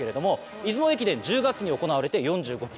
出雲駅伝１０月に行われて４５ｋｍ。